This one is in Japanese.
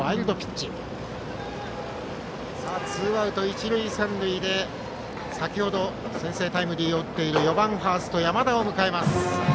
ツーアウト一塁三塁で先ほど先制タイムリーを放っている４番ファースト、山田を迎えます。